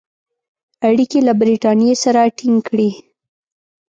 اړیکي له برټانیې سره تینګ کړي.